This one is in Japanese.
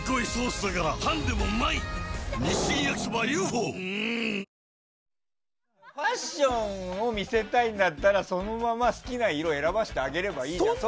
ファッションを見せたいんだったらそのまま好きな色選ばせてあげればいいじゃん。